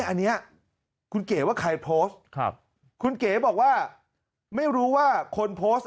อันนี้คุณเก๋ว่าใครโพสต์ครับคุณเก๋บอกว่าไม่รู้ว่าคนโพสต์